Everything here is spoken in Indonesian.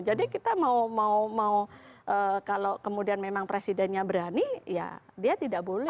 jadi kita mau kalau kemudian memang presidennya berani ya dia tidak boleh